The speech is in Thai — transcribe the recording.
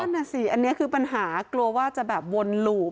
นั่นน่ะสิอันนี้คือปัญหากลัวว่าจะแบบวนหลูบ